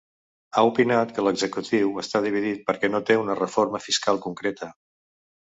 Ha opinat que l’executiu està dividit perquè no té una reforma fiscal concreta.